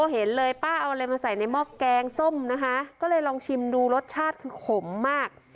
เห็นเลยป้าเอาอะไรมาใส่ในหม้อแกงส้มนะคะก็เลยลองชิมดูรสชาติคือขมมาก